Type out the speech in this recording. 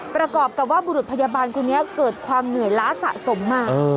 ประกอบกับว่าบุรุษพยาบาลคนนี้เกิดความเหนื่อยล้าสะสมมา